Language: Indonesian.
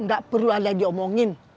gak perlu ada yang diomongin